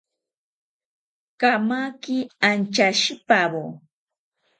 Kamaki anchashipawo